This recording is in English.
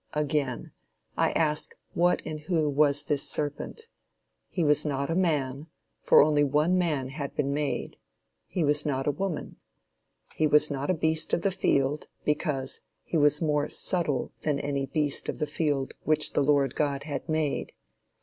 Again, I ask what and who was this serpent? He was not a man, for only one man had been made. He was not a woman. He was not a beast of the field, because "he was more subtile than any beast of the field which the Lord God had made."